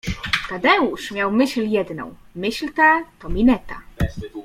Tadeusz miał myśl jedną - myśl ta to mineta.